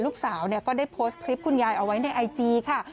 ลูกสาวก็ได้โพสต์คลิปคุณยายเอาไว้ในไอจีค่ะ